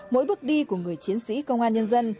mỗi bước đi của người chiến sĩ công an nhân dân